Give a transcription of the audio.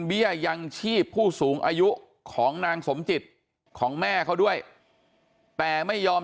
ยังชีพผู้สูงอายุของนางสมจิตของแม่เขาด้วยแต่ไม่ยอม